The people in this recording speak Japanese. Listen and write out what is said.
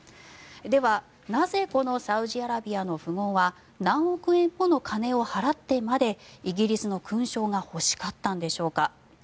では、なぜこのサウジアラビアの富豪は何億円もの金を払ってまでイギリスの勲章が欲しかったんでしょうか。